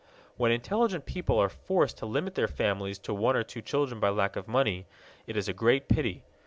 When intelligent people are forced to limit their families to one or two children by lack of money, it is a great pity.